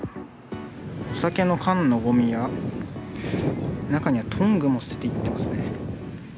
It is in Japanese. お酒の缶のごみや、中にはトングも捨てていってますね。